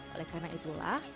oleh karena itulah